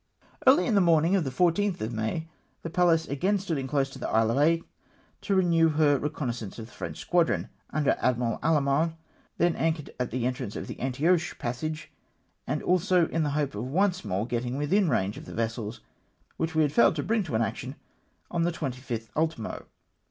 Early iii the morning on the 14tli of May, the Pallas a^ain stood in close to the Isle of Aix, to renew her reconnoissance of the French squacbon under Admiral Allemand, then anchored at the entrance of the An tioche passage, and also in the hope of once more getting within range of the vessels which we had failed to bring to an action on the 25 th ultimo.